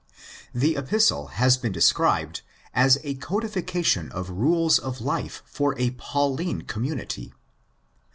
The Epistle has been described as a codification of rules of life for a Pauline community.